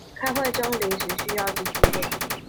開會中臨時需要之資料